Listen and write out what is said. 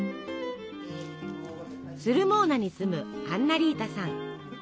スルモーナに住むアンナリータさん。